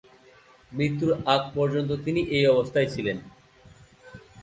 মৃত্যুর আগ পর্যন্ত তিনি এই অবস্থায় ছিলেন।